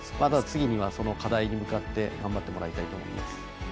次はその課題に向かって頑張ってもらいたいと思います。